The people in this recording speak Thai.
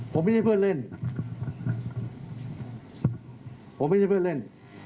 ผมไม่ใช่เพื่อนเล่นผมไม่ใช่เพื่อนเล่น